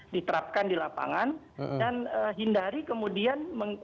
diterapkan di lapangan dan hindari kemudian